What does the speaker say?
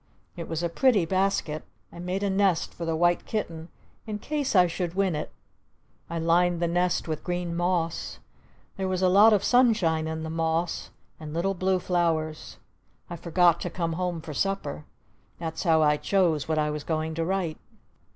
It was a pretty basket. I made a nest for the White Kitten in case I should win it! I lined the nest with green moss. There was a lot of sunshine in the moss. And little blue flowers. I forgot to come home for supper. That's how I chose what I was going to write!